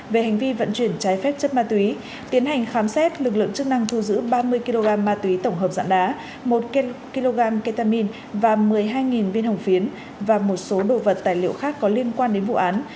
về hành vi vận chuyển trái phép chất ma túy tiến hành khám xét lực lượng chức năng thu giữ ba mươi kg ma túy tổng hợp dạng đá một kg ketamine và một mươi hai viên hồng phiến và một số đồ vật tài liệu khác có liên quan đến vụ án